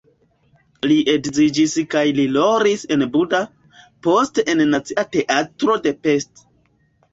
Li edziĝis kaj li rolis en Buda, poste en Nacia Teatro de Pest.